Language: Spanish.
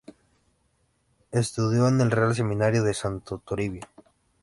Estudió en el Real Seminario de Santo Toribio.